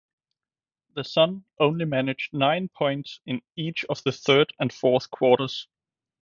The Sun only managed nine points in each the third and fourth quarters.